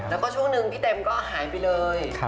แล้วก็ช่วงนึงพี่เต็มก็หายไปเลย